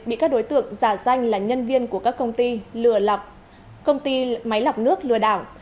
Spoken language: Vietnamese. bị các đối tượng giả danh là nhân viên của các công ty máy lọc nước lừa đảo